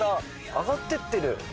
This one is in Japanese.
上がってってる。